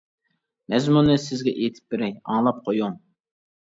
مەزمۇنىنى سىزگە ئېيتىپ بېرەي ئاڭلاپ قويۇڭ.